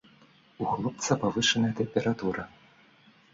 У хлопца павышаная тэмпература.